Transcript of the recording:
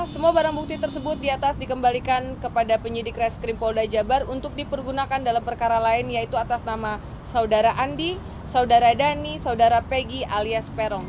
semua barang bukti tersebut di atas dikembalikan kepada penyidik reskrim polda jabar untuk dipergunakan dalam perkara lain yaitu atas nama saudara andi saudara dhani saudara pegi alias peron